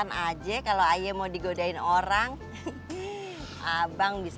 bang baru aja jadian udah ketakutan aja kalau ayo mau digodain orang abang bisa